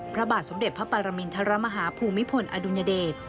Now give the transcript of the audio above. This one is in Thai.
พระบาทสมเด็จพระปรมินทรมาฮาภูมิพลอดุญเดช